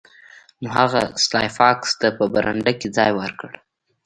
نو هغه سلای فاکس ته په برنډه کې ځای ورکړ